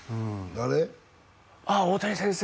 ああ大谷先生